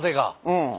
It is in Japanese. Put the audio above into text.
うん。